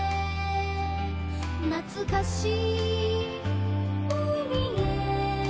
「なつかしい海へ」